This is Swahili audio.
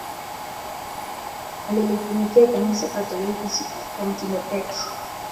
alilitumikia kanisa katoliki isipokuwa mtume petro